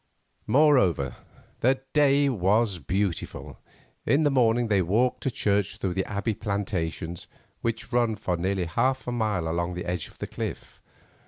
Moreover, the day was beautiful. In the morning they walked to church through the Abbey plantations, which run for nearly half a mile along the edge of the cliff.